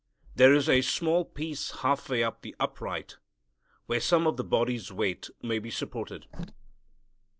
There is a small piece half way up the upright where some of the body's weight may be supported.